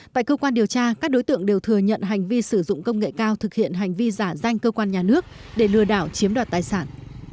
tại cơ quan điều tra các đối tượng đều thừa nhận hành vi sử dụng công nghệ cao thực hiện hành vi giả danh cơ quan nhà nước để lừa đảo chiếm đoạt tài sản